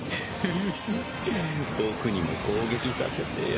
僕にも攻撃させてよ。